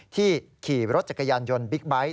ที่ขี่รถจักรยานยนต์บิ๊กไบท์